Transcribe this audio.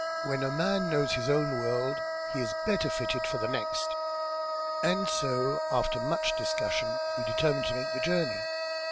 When a man knows his own world, he is better fitted for the next.' And so, after much discussion we determined to make the journey.